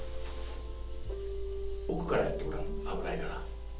奥からやってごらん危ないから。